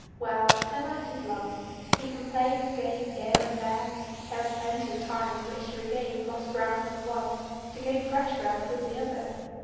Well the night is long. He can play his game here and there. There is plenty of time in which to regain lost ground with one to gain fresh ground with the other.